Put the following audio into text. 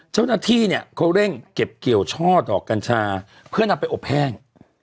เจ้าหน้าที่เนี่ยเขาเร่งเก็บเกี่ยวช่อดอกกัญชาเพื่อนำไปอบแห้ง